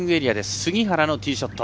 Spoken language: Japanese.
杉原のティーショット。